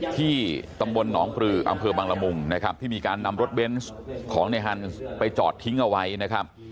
ที่ตำบลหนองปลืออำเภอบังละมุงนะครับที่มีการนำรถเบนส์ของในฮันส์ไปจอดทิ้งเอาไว้นะครับ